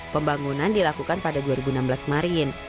pembangunan dilakukan pada dua ribu enam belas kemarin